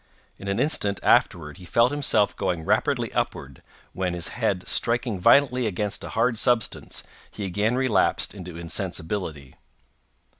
In an instant afterward he felt himself going rapidly upward, when, his head striking violently against a hard substance, he again relapsed into insensibility.